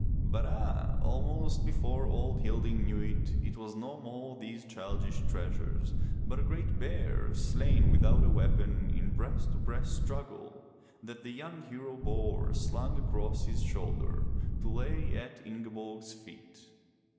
But ah! almost before old Hilding knew it, it was no more 338 FROM THE TOWER WINDOW these childish treasures, but a great bear, slain without a weapon in breast to breast struggle, that the young hero bore slung across his shoulder to lay at Ingeborg's feet.